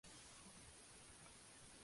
El título alternativo fue Hungarian Rhapsody.